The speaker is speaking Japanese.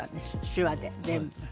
手話で全部。